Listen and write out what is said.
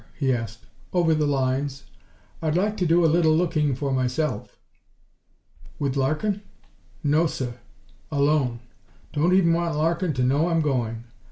he asked. "Over the lines. I'd like to do a little looking for myself." "With Larkin?" "No, sir. Alone. Don't even want Larkin to know I'm going.